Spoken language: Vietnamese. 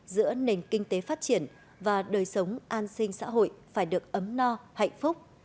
giữa nền kinh tế phát triển và đời sống an sinh xã hội phải được ấm no hạnh phúc